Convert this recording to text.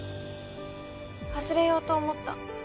忘れようと思った。